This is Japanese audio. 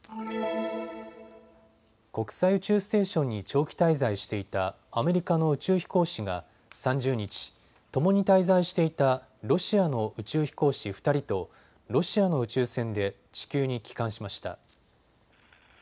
国際宇宙ステーションに長期滞在していたアメリカの宇宙飛行士が３０日、ともに滞在していたロシアの宇宙飛行士２人とロシアの宇宙船で地球に帰還しました。